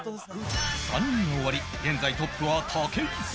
３人が終わり現在トップは武井壮